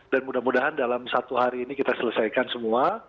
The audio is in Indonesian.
dan mudah mudahan dalam satu hari ini kita selesaikan semua